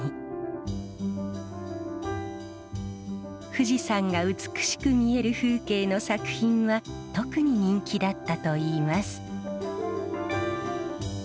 富士山が美しく見える風景の作品は特に人気だったといいます。